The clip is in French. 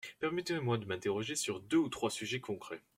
Permettez-moi de m’interroger sur deux ou trois sujets concrets.